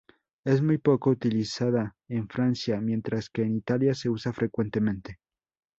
Es muy poco utilizada en Francia, mientras que, en Italia se usa frecuentemente.